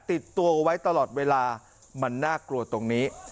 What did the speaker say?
ติดตัวไว้ตลอดเวลามันน่ากลัวตรงนี้